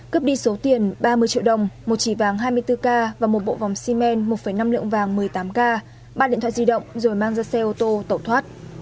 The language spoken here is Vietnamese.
cướp đi số tiền ba mươi triệu đồng một chỉ vàng hai mươi bốn k và một bộ vòng xi men một năm lượng vàng một mươi tám k ba điện thoại di động rồi mang ra xe ô tô tẩu thoát